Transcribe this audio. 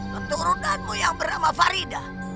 keturunanmu yang bernama farida